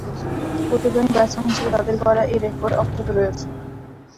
উদ্বোধনী ব্যাটসম্যান হিসেবে তাদের গড়া এ রেকর্ড অক্ষত রয়েছে।